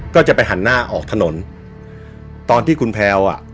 ก็จะไปหันหน้าออกถนนตอนที่คุณแพลวอ่ะ